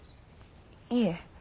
いえ